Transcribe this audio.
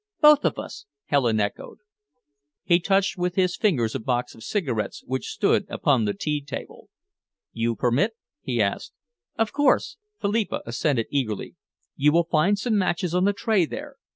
"Both of us," Helen echoed. He touched with his fingers a box of cigarettes which stood upon the tea table. "You permit?" he asked. "Of course," Philippa assented eagerly. "You will find some matches on the tray there.